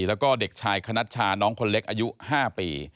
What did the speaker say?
แล้วก็เด็กชายคณัชชาน้องคนเล็กอายุ๕ปี